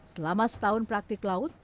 selama setahun praktik laut